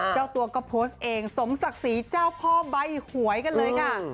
เจ้าตัวก็โพสต์เองสมศักดิ์ศรีเจ้าพ่อใบหวยกันเลยค่ะ